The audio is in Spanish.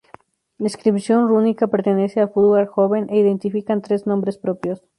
La inscripción rúnica pertenece a futhark joven e identifican tres nombres propios.